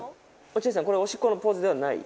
落合さんこれおしっこのポーズではない？